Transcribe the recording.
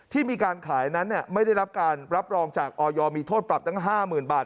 ที่มีการขายนั้นเนี่ยไม่ได้รับการรับรองจากออยอมีโทษปรับตั้งห้าหมื่นบาท